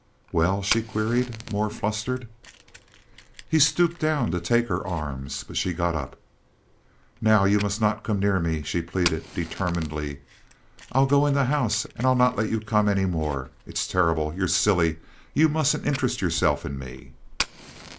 "Well?" she queried, more flustered. He stooped down to take her arms, but she got up. "Now you must not come near me," she pleaded, determinedly. "I'll go in the house, and I'll not let you come any more. It's terrible! You're silly! You mustn't interest yourself in me."